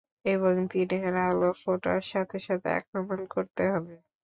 এবং দিনের আলো ফোটার সাথে সাথে আক্রমণ করতে হবে।